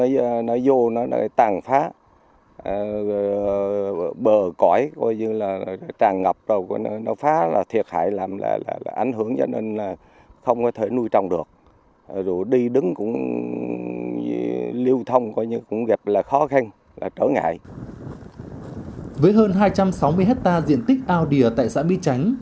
với hơn hai trăm sáu mươi hectare diện tích ao đìa tại xã mỹ chánh